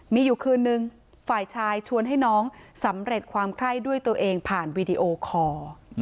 มีอยู่คืนนึงฝ่ายชายชวนให้น้องสำเร็จความไข้ด้วยตัวเองผ่านวีดีโอคอร์